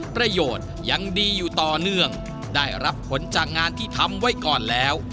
ประโยชน์ยังดีอยู่ต่อเนื่องได้รับผลจากงานที่ทำไว้ก่อนแล้ว